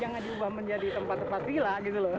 jangan diubah menjadi tempat tempat vila gitu loh